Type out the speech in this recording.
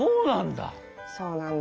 そうなんだ！